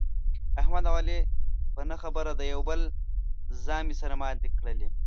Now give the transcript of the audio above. احمد او علي په نه خبره د یوه او بل زامې سره ماتې کړلې.